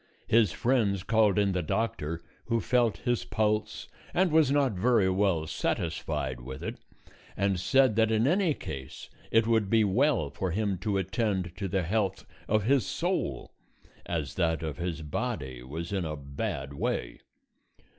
His friends called in the doctor, who felt his pulse and was not very well satisfied with it, and said that in any case it would be well for him to attend to the health of his soul, as that of his body was in a bad way.